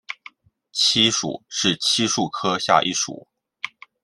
漆属是漆树科下一属。